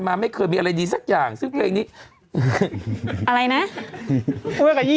ไม่เคยมีอะไรดีสักอย่างซึ่งเพลงนี้อะไรนะ